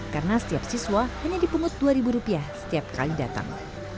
karena setiap siswa hanya dipungut dua ribu rupiah setiap kali datang